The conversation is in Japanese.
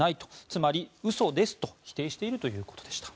つまり、嘘ですと否定しているということでした。